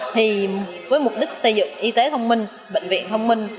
thì với mục đích xây dựng y tế thông minh bệnh viện thông minh